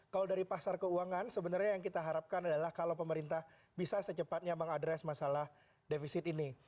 kalau dari pasar keuangan sebenarnya yang kita harapkan adalah kalau pemerintah bisa secepatnya mengadres masalah defisit ini